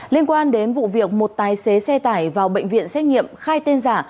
liên quan đến vụ việc một tài xế xe tải vào bệnh viện xét nghiệm khai tên giả